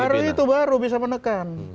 baru itu baru bisa menekan